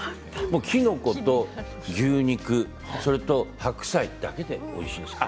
きのこと牛肉それと白菜だけでおいしいです。